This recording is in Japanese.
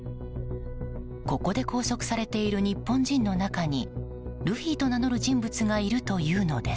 ここで拘束されている日本人の中にルフィと名乗る人物がいるというのです。